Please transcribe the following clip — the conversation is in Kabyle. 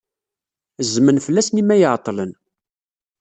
Zzmen fell-asen imi ay ɛeḍḍlen.